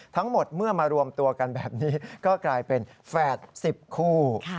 ทั้งหมดเมื่อมารวมตัวกันแบบนี้ก็กลายเป็นแฝด๑๐คู่